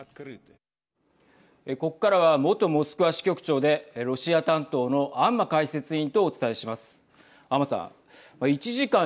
ここからは元モスクワ支局長でロシア担当の安間解説委員とお伝えします。